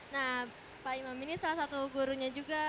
nah pak imam ini salah satu gurunya juga